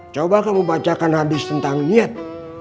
coba kamu bacakan hadis tentang niat